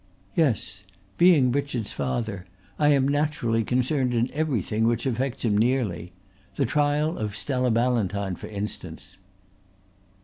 "Yes. Being Richard's father I am naturally concerned in everything which affects him nearly the trial of Stella Ballantyne for instance."